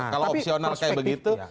kalau opsional kayak begitu